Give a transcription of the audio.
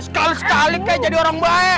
sekali sekali kayak jadi orang baik